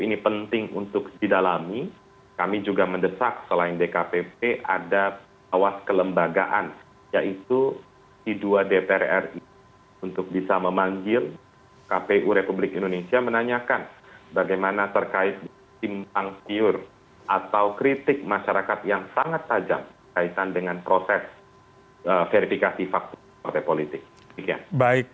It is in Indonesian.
ini penting untuk didalami kami juga mendesak selain dkpp ada awas kelembagaan yaitu c dua dprri untuk bisa memanggil kpu republik indonesia menanyakan bagaimana terkait tim tangsiur atau kritik masyarakat yang sangat tajam kaitan dengan proses verifikasi faktor politik